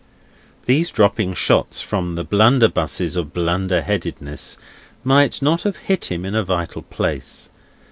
These dropping shots from the blunderbusses of blunderheadedness might not have hit him in a vital place.